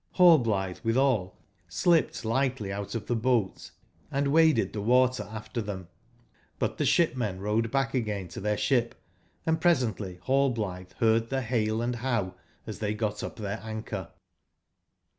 Hallblithe withal slipped lightly out of the boat and waded the water after them. But the shipmen rowed back again to their ship, & pre sently Hallblithe heard the hale and how, as they got up their anchor.